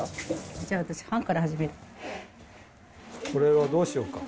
じゃあ、私、これはどうしようか？